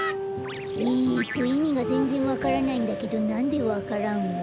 えっといみがぜんぜんわからないんだけどなんでわか蘭を？